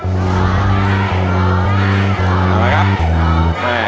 ขอให้ขอให้ขอให้ขอให้ขอให้